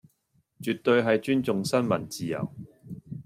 絕對係尊重新聞自由